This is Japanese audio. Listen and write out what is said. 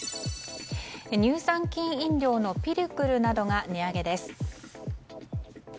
乳酸菌飲料のピルクルなどが値上げです。